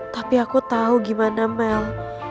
tapi aku tahu gimana mel